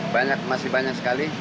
banyak masih banyak sekali